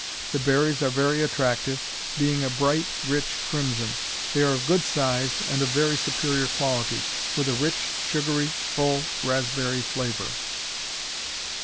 The berries are very attractive, being a bright, rich crimson. They are of good size, and of very superior quality, with a rich, sugary, full raspberry flavor.